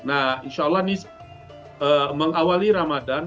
nah insya allah ini mengawali ramadan